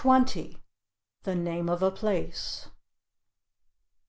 "The name of a place."